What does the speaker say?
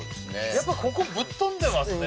やっぱりここぶっ飛んでますね